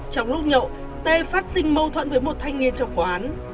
trong lúc nhậu t phát sinh mâu thuẫn với một thanh niên trong quán